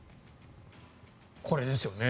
これですよね。